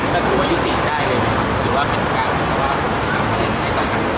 แต่คือว่ายุติใจเลย